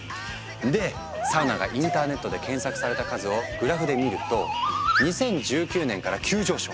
でサウナがインターネットで検索された数をグラフで見ると２０１９年から急上昇。